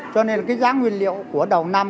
cho nên là cái giá nguyên liệu của đầu năm